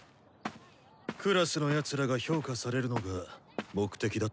クラスのやつらが評価されるのが目的だったのだろう？